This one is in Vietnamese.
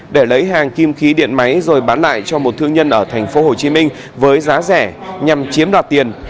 để lấy hàng kim khí điện máy rồi bán lại cho một thương nhân ở tp hcm với giá rẻ nhằm chiếm đoạt tiền